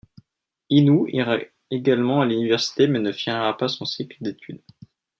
Inoue ira également à l'université mais ne finira pas son cycle d'étude.